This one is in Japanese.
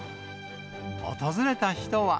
訪れた人は。